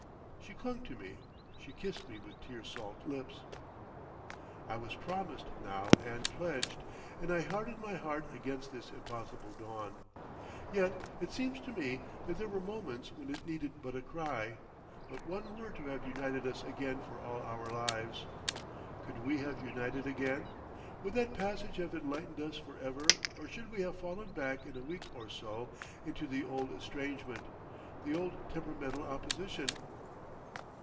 She clung to me; she kissed me with tear salt lips. I was promised now and pledged, and I hardened my heart against this impossible dawn. Yet it seems to me that there were moments when it needed but a cry, but one word to have united us again for all our lives. Could we have united again? Would that passage have enlightened us for ever or should we have fallen back in a week or so into the old estrangement, the old temperamental opposition?